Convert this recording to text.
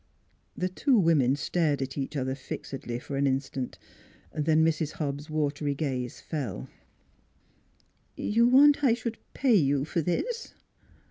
The two women stared at each other fixedly for an instant: then Mrs. Hobbs' watery gaze fell. 'You want I should pay you for this?"